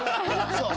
そう。